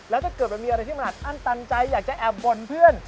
แล้วถ้าเกิดมันมีอะไรที่มันอัดอั้นตันใจอยากจะแอบบ่นเพื่อน